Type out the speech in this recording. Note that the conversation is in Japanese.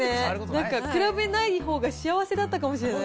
なんか比べないほうが幸せだったかもしれない。